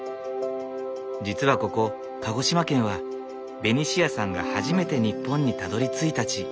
実はここ鹿児島県はベニシアさんが初めて日本にたどりついた地。